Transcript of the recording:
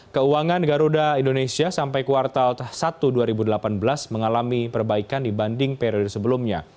keuangan garuda indonesia sampai kuartal satu dua ribu delapan belas mengalami perbaikan dibanding periode sebelumnya